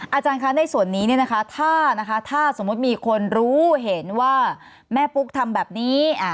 อาจารย์คะในส่วนนี้ถ้าสมมุติมีคนรู้เห็นว่าแม่ปุ๊กทำแบบนี้